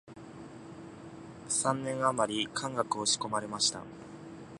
三年あまり漢学を仕込まれました